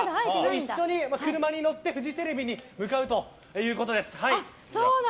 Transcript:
一緒に車に乗ってフジテレビに向かうということです。